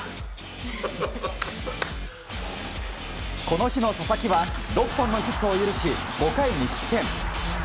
この日の佐々木は６本のヒットを許し５回２失点。